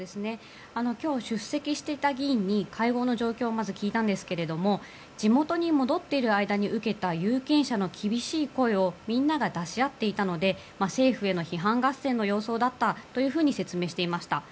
今日、出席していた議員に会合の状況をまず聞いたんですが地元に戻っている間に受けた有権者の厳しい声をみんなで出し合っていたので政府への批判合戦の様相だったというふうに説明していました。